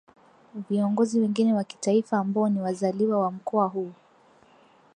Viongozi wengine wa Kitaifa ambao ni wazaliwa wa Mkoa huu